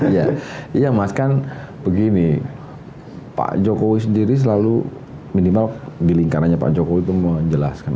iya mas kan begini pak jokowi sendiri selalu minimal di lingkarannya pak jokowi itu menjelaskan